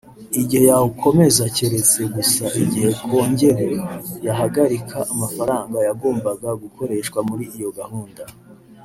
igihe yawukomeza keretse gusa igihe kongere yahagarika amafaranga yagombaga gukoreshwa muri iyo gahunda